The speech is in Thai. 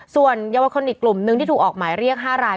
ส่วนเยาวชนอีกกลุ่มนึงที่ถูกออกหมายเรียก๕ราย